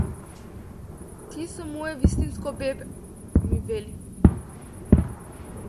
Ти со мое вистинско бебе, ми вели.